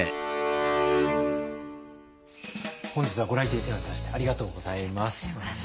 本日はご来店頂きましてありがとうございます。